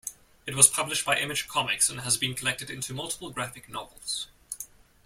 It was published by Image Comics and has been collected into multiple graphic novels.